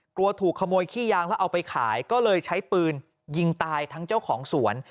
กลัวถูกขโมยขี้ยางแล้วเอาไปขายก็เลยใช้ปืนยิงตายทั้งเจ้าของสวน